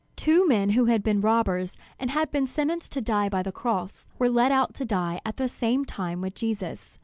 Two men who had been robbers and had been sentenced to die by the cross, were led out to die at the same time with Jesus.